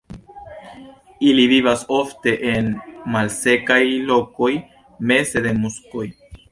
Ili vivas ofte en malsekaj lokoj meze de muskoj.